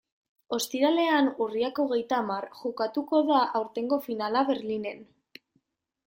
Ostiralean, urriak hogeita hamar, jokatuko da aurtengo finala Berlinen.